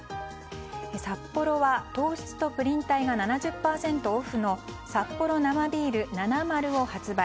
サッポロは糖質とプリン体が７０％オフのサッポロ生ビールナナマルを発売。